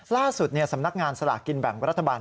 ล่าสุดสำนักงานสลากกินแบ่งรัฐบาล